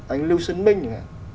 anh lưu xuân minh chẳng hạn